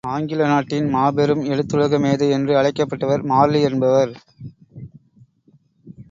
ஆங்கில நாட்டின் மாபெரும் எழுத்துலக மேதை என்று அழைக்கப்பட்டவர் மார்லி என்பவர்.